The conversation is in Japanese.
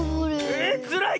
えっつらい！